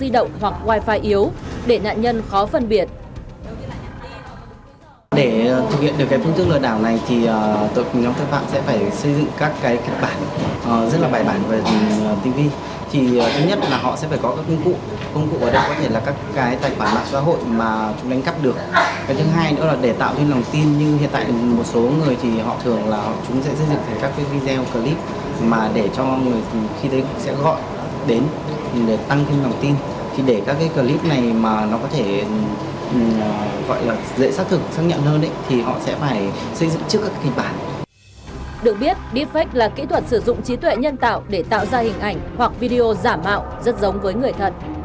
deepfake là kỹ thuật sử dụng trí tuệ nhân tạo để tạo ra hình ảnh hoặc video giả mạo rất giống với người thật